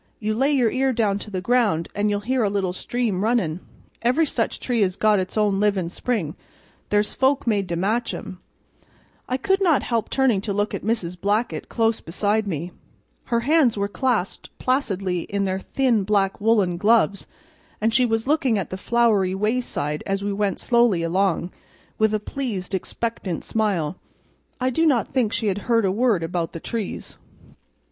You lay your ear down to the ground an' you'll hear a little stream runnin'. Every such tree has got its own livin' spring; there's folk made to match 'em." I could not help turning to look at Mrs. Blackett, close beside me. Her hands were clasped placidly in their thin black woolen gloves, and she was looking at the flowery wayside as we went slowly along, with a pleased, expectant smile. I do not think she had heard a word about the trees.